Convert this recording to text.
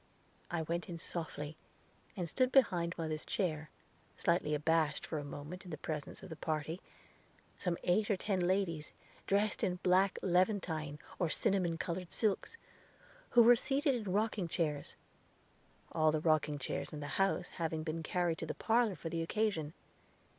I went in softly, and stood behind mother's chair, slightly abashed for a moment in the presence of the party some eight or ten ladies, dressed in black levantine, or cinnamon colored silks, who were seated in rocking chairs, all the rocking chairs in the house having been carried to the parlor for the occasion.